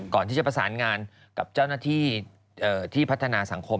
ก่อนที่จะประสานงานกับเจ้าหน้าที่ที่พัฒนาสังคม